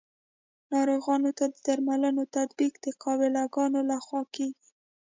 ناروغانو ته د درملو تطبیق د قابله ګانو لخوا کیږي.